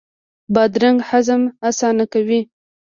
بادرنګ هضم اسانه کوي.